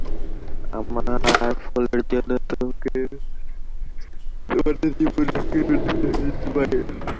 আমার ভুলের জন্য তোমাদের জীবনকে ঝুঁকির মুখে ফেলতে দিতে পারি না।